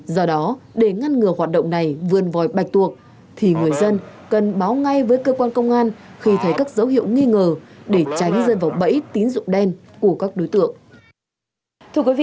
do đó để ngăn ngừa hoạt động này vươn vòi bạch tuộc thì người dân cần báo ngay với cơ quan công an khi thấy các dấu hiệu nghi ngờ để tránh rơi vào bẫy tín dụng đen của các đối tượng